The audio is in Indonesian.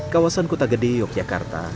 kawasan kota gede yogyakarta